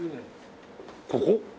ここ？